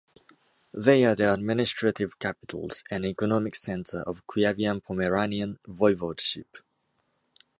They are the administrative capitals and economic center of Kuyavian-Pomeranian Voivodship.